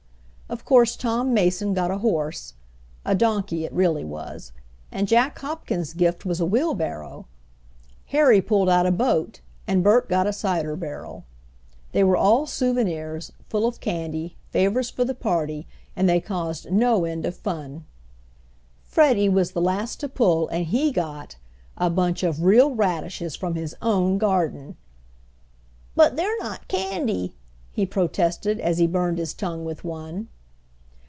Of course Tom Mason got a horse a donkey it really was; and Jack Hopkins' gift was a wheelbarrow. Harry pulled out a boat, and Bert got a cider barrel. They were all souvenirs, full of candy, favors for the party, and they caused no end of fun. Freddie was the last to pull and he got A bunch of real radishes from his own garden! "But they're not candy," he protested, as he burned his tongue with one.